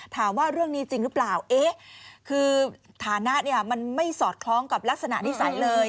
ถามว่าเรื่องนี้จริงหรือเปล่าเอ๊ะคือฐานะเนี่ยมันไม่สอดคล้องกับลักษณะนิสัยเลย